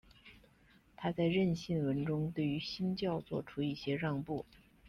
他在认信文中对于新教做出一些让步。